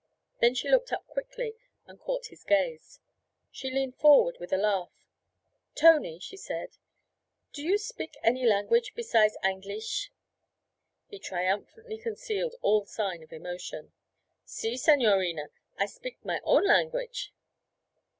Then she looked up quickly and caught his gaze. She leaned forward with a laugh. 'Tony,' she said, 'do you spik any language besides Angleesh?' He triumphantly concealed all sign of emotion. 'Si, signorina, I spik my own language.'